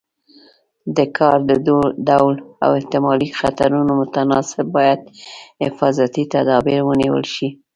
د کار د ډول او احتمالي خطرونو متناسب باید حفاظتي تدابیر ونیول شي.